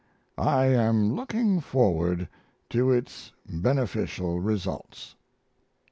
I am looking forward to its beneficial results.